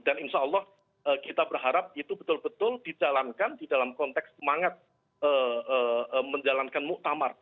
dan insya allah kita berharap itu betul betul dijalankan di dalam konteks semangat menjalankan muktamar